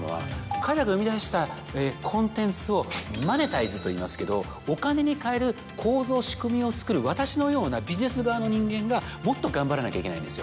彼らが生み出したコンテンツをマネタイズといいますけどお金に換える構造仕組みを作る私のようなビジネス側の人間がもっと頑張らなきゃいけないんですよ。